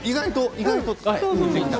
意外と。